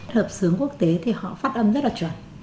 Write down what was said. hợp xướng quốc tế thì họ phát âm rất là chuẩn